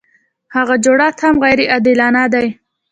هغه جوړښت هم غیر عادلانه دی.